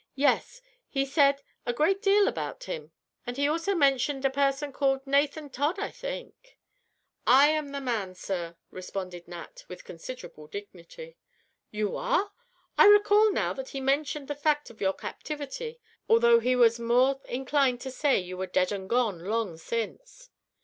Yes; he said a great deal about him, and he also mentioned a person called Nathan Todd, I think." "I am the man, sir," responded Nat, with considerable dignity. "You are! I recall now that he mentioned the fact of your captivity, although he was more inclined to say you were dead and gone long since."